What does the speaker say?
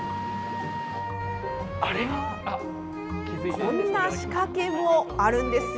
こんな仕掛けもあるんですよ。